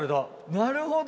なるほど。